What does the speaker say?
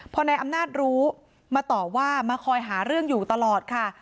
พอนายอำนาจรู้มาต่อว่ามาคอยหาเรื่องอยู่ตลอดค่ะ